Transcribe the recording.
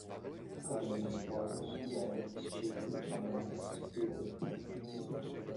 carimbo de esporos, véu, estipe, lamelas, píleo